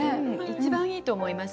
一番いいと思います。